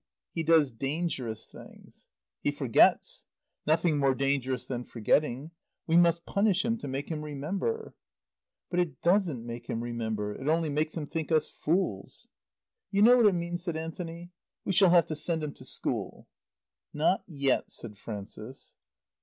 "He does dangerous things." "He forgets." "Nothing more dangerous than forgetting. We must punish him to make him remember." "But it doesn't make him remember. It only makes him think us fools." "You know what it means?" said Anthony. "We shall have to send him to school." "Not yet," said Frances.